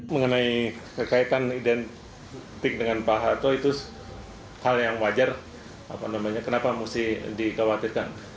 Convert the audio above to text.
mengenai kekaitan identik dengan pak harto itu hal yang wajar kenapa mesti dikhawatirkan